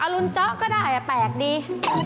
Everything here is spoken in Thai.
อรุณเจ้าก็ได้แปลกดี